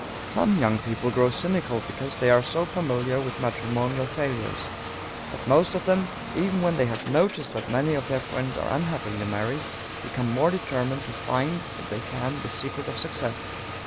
Some young people grow cynical because they are so familiar with matrimonial failures; but most of them, even when they have noticed that many of their friends are unhappily married, become more determined to find, if they can, the secret of success.